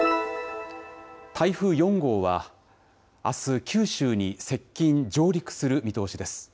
台風４号はあす、九州に接近、上陸する見通しです。